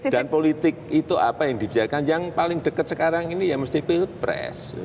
dan politik itu apa yang dibicarakan yang paling dekat sekarang ini ya mesti pilpres